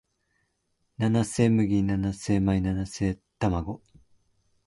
七生麦七生米七生卵